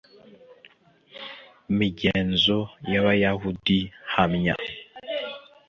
migenzo y Abayahudi Hamya